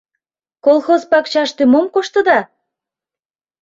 — Колхоз пакчаште мом коштыда?